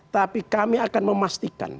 tapi kami akan memastikan